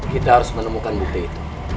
kita harus menemukan bukti itu